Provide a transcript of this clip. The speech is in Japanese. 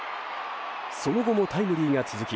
その後もタイムリーが続き